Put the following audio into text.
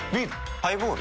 ハイボール？